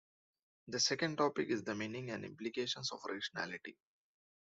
The second topic is the meaning and implications of rationality.